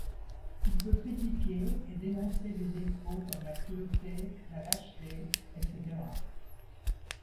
Il peut critiquer et dénoncer des défauts comme la cruauté, la lâcheté, etc.